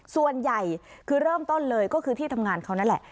ส่วนใหญ่คือเริ่มต้นเลยก็คือที่ทำงานเขานั่นแหละ